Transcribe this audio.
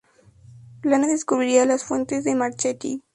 Lane descubriría las fuentes de Marchetti.